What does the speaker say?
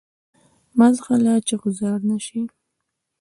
مه ځغله چی غوځار نه شی.